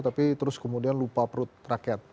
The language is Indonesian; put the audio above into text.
tapi terus kemudian lupa perut rakyat